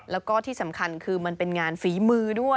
แล้วก็ที่สำคัญคือมันเป็นงานฝีมือด้วย